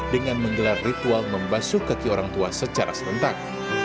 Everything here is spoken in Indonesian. dengan menggelar ritual membasuh kaki orang tua secara serentak